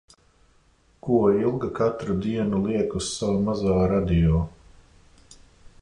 Ko Ilga katru dienu liek uz sava mazā radio.